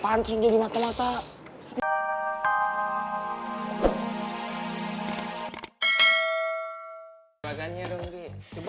eh sri boleh minta ada